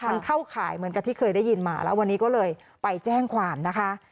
มันเข้าข่ายเหมือนกับที่เคยได้ยินมาแล้ววันนี้ก็เลยไปแจ้งความนะคะ